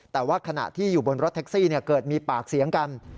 แต่ว่าขณะที่อยู่บนรถแท็กซี่เกิดมีปากเสียงกัน